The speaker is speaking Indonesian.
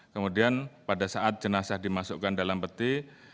kemudian pada saat jenazah dimasukkan dalam peti